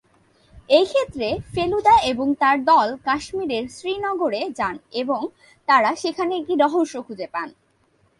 এই ক্ষেত্রে, ফেলুদা এবং তার দল কাশ্মীরের শ্রীনগরে যান এবং তারা সেখানে একটি রহস্য খুঁজে পান।